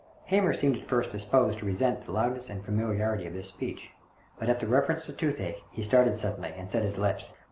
Hamer seemed at first disposed to resent the loudness and familiarity of this speech, but at the reference to toothache he started suddenly and set his lips.